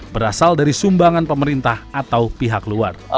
berasal dari sumbangan pemerintah atau pihak luar